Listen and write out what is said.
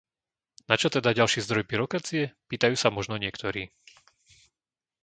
Načo teda ďalší zdroj byrokracie? pýtajú sa možno niektorí.